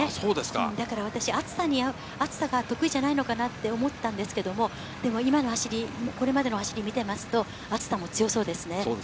だから私、暑さが得意じゃないのかなって思ったんですけど、今の走り、これまでの走りを見ていると暑さにも強そうです。